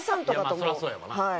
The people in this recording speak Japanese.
まあそりゃそうやわな。